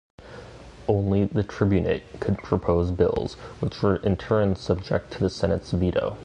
Only the tribunate could propose bills, which were in turn subject to the senates veto.